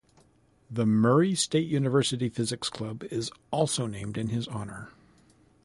The Murray State University physics club is also named in his honor.